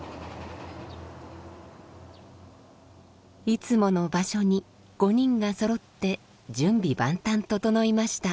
いつもの場所に５人がそろって準備万端整いました。